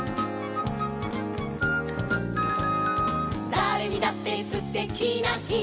「だれにだってすてきなひ」